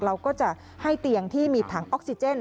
เราก็จะให้เตียงที่มีถังออกซิเจน